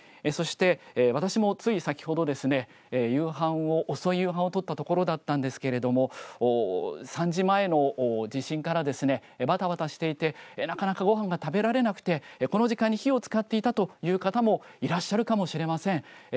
そして、私もつい先ほどですね夕飯を、遅い夕飯を取ったところなんですけど３時前の地震からですねばたばたしていてなかなかご飯が食べられなくてこの時間に火を使っていたという方もいらっしゃるかもしれません。